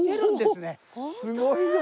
すごいな。